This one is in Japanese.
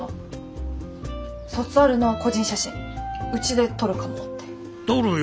卒アルの個人写真うちで撮るかもって。